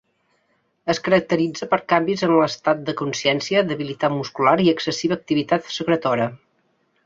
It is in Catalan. Es caracteritza per canvis en l'estat de consciència, debilitat muscular i excessiva activitat secretora.